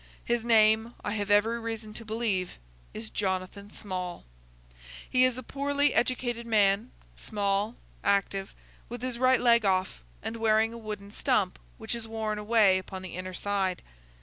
His name, I have every reason to believe, is Jonathan Small. He is a poorly educated man, small, active, with his right leg off, and wearing a wooden stump which is worn away upon the inner side.